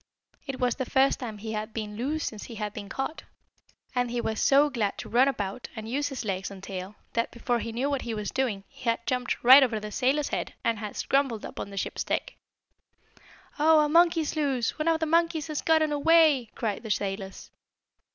It was the first time he had been loose since he had been caught, and he was so glad to run about, and use his legs and tail, that, before he knew what he was doing, he had jumped right over the sailor's head, and had scrambled up on the ship's deck. "Oh, a monkey's loose! One of the monkeys has gotten away!" cried the sailors.